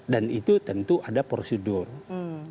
dan itu tentu ada prosedurnya